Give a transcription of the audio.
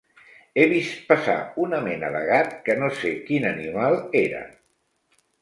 He vist passar una mena de gat que no sé quin animal era.